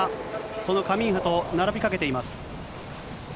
そのカミンハと並びかけています。